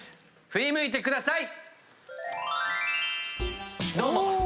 振り向いてください。